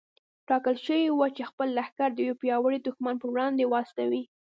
ټاکل شوې وه چې خپل لښکر د يوه پياوړي دښمن پر وړاندې واستوي.